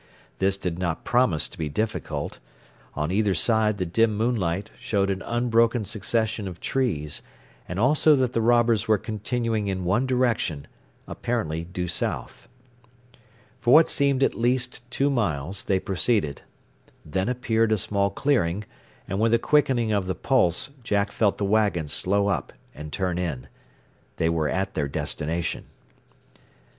This did not promise to be difficult. On either side the dim moonlight showed an unbroken succession of trees, and also that the robbers were continuing in one direction apparently due south. For what seemed at least two miles they proceeded. Then appeared a small clearing, and with a quickening of the pulse Jack felt the wagon slow up and turn in. They were at their destination.